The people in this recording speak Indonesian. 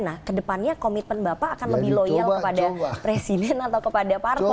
nah kedepannya komitmen bapak akan lebih loyal kepada presiden atau kepada parpol